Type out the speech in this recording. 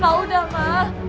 pak sudah ma